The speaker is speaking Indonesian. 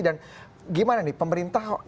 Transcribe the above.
dan gimana nih pemerintah